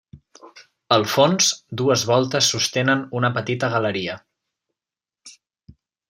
Al fons, dues voltes sostenen una petita galeria.